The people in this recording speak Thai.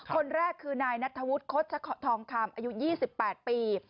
คนแรกคือนายนัทธวุฒิโฆษทองคำอายุ๒๘ปี